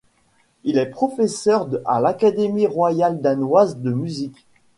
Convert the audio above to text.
Il est professeur à l’Académie royale danoise de musique.